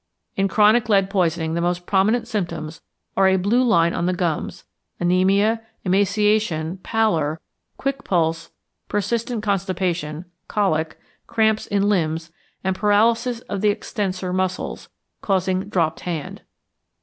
In chronic lead poisoning the most prominent symptoms are a blue line on the gums, anæmia, emaciation, pallor, quick pulse, persistent constipation, colic, cramps in limbs, and paralysis of the extensor muscles, causing 'dropped hand.'